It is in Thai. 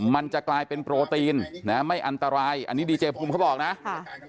มันจะกลายเป็นโปรตีนนะไม่อันตรายอันนี้ดีเจภูมิเขาบอกนะค่ะ